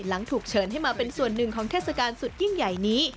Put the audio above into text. หลังถูกเชิญให้มาเป็นส่วนหนึ่งของเทศกาลสุดยิ่งใหญ่นี้